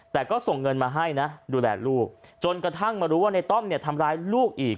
แต่ก็ส่งเงินมาให้นะดูแลลูกจนกระทั่งมารู้ว่าในต้อมเนี่ยทำร้ายลูกอีก